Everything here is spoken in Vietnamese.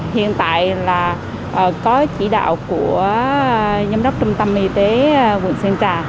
hiện tại là có chỉ đạo của giám đốc trung tâm y tế quận sơn trà